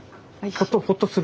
ホッとホッとする？